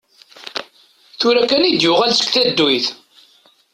Tura kan i d-yuɣal seg tadduyt.